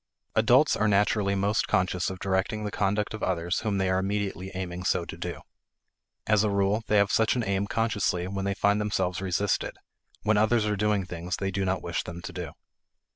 Adults are naturally most conscious of directing the conduct of others when they are immediately aiming so to do. As a rule, they have such an aim consciously when they find themselves resisted; when others are doing things they do not wish them to do.